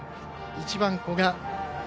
１番、古閑。